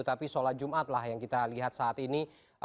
tapi sholat jumat lah yang kita lihat saat ini